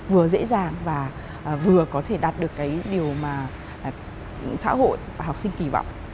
vừa dễ dàng và vừa có thể đạt được cái điều mà xã hội và học sinh kỳ vọng